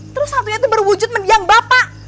terus satunya itu baru wujud mediang bapak